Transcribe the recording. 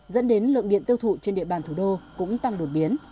dẫn đến lượng điện tiêu thụ trên địa bàn thủ đô cũng tăng đột biến